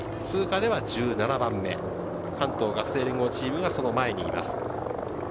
通過では１７番目、関東学生連合チームがその前にいます。